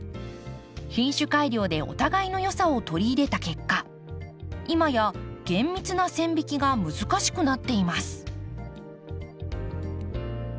品種改良でお互いのよさを取り入れた結果今や厳密な線引きが難しくなっています。